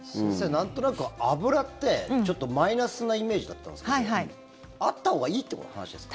なんとなく脂ってちょっとマイナスなイメージだったんですけどあったほうがいいっていう話ですか？